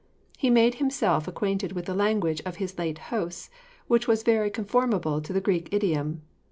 He had made himself acquainted with the language of his late hosts, 'which was very conformable to the Greek idiom.